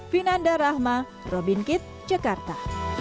vinanda rahma robin kitt jakarta